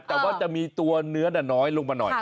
แต่ว่าจะมีตัวเนื้อน้อยลงมาหน่อย